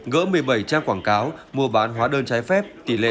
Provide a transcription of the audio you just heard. gỡ một mươi bảy trang quảng cáo mua bán hóa đơn trái phép tỷ lệ chín mươi